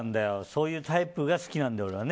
そういうタイプが好きなんだよ俺は。